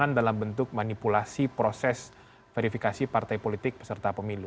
dalam bentuk manipulasi proses verifikasi partai politik peserta pemilu